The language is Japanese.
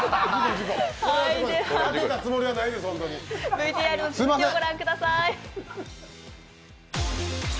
ＶＴＲの続きをご覧ください。